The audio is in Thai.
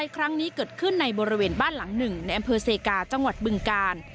ครั้งนี้เกิดขึ้นในบริเวณบ้านหลังหนึ่งในอำเภอเซกาจังหวัดบึงกาล